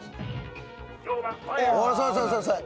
そうそうそうそれ！